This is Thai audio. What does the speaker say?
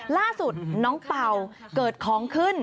ล่าสุดน้องเป่าเกิดของขึ้น